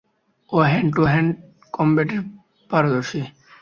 ও hand to hand কমব্যাটেও পারদর্শী?